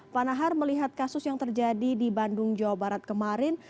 pak nahar melihat kasus yang terjadi di bandung jawa barat kemarin